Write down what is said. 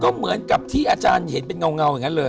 ก็เหมือนกับที่อาจารย์เห็นเป็นเงาอย่างนั้นเลย